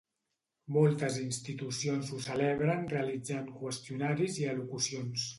Moltes institucions ho celebren realitzant qüestionaris i elocucions.